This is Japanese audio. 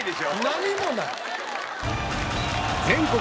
何もない。